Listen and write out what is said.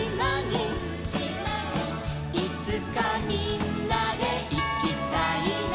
「いつかみんなでいきたいな」